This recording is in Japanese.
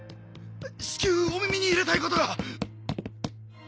至急お耳に入れたいことが！